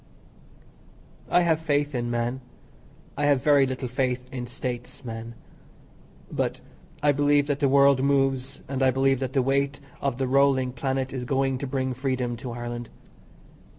I have faith in man, I have very little faith in States man. But I believe that the world moves, and I believe that the weight of the rolling planet is going to bring freedom to Ireland.